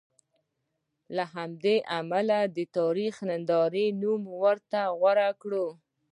له همدې امله مې د تاریخ ننداره نوم ورته غوره کړ.